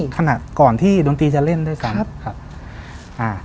ขนาดก่อนที่ดนตรีจะเล่นด้วยซ้ำ